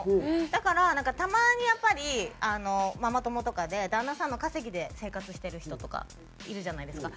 だからなんかたまにやっぱりママ友とかで旦那さんの稼ぎで生活している人とかいるじゃないですか。